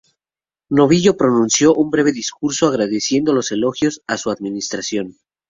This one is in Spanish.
Novillo pronunció un breve discurso agradeciendo los elogios a su administración".